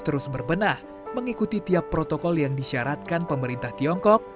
terus berbenah mengikuti tiap protokol yang disyaratkan pemerintah tiongkok